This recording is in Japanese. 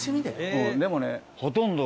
うんでもねほとんど。